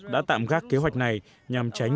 đã tạm gác kế hoạch này nhằm tránh